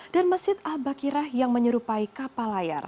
dan masjid al baqirah yang menyerupai kapal layar